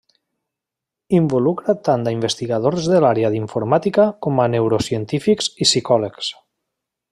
Involucra tant a investigadors de l'àrea d'informàtica com a neurocientífics i psicòlegs.